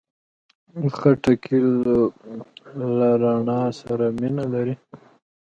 خټکی له رڼا سره مینه لري.